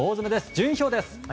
順位表です。